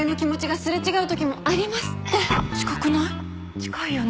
近いよね？